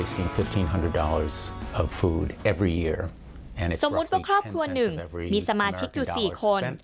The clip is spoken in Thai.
สมมุติว่าครอบครัวหนึ่งมีสมาชิกอยู่๔คน